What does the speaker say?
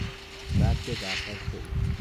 رد درخواست او